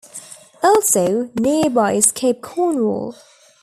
Also nearby is Cape Cornwall.